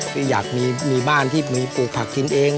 พี่อยากมีบ้านที่มีปลูกผักกินเอง